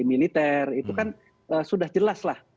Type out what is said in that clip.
militer itu kan sudah jelas lah